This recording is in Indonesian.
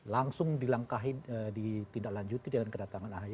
langsung dilangkahin ditindaklanjuti dengan kedatangan ahy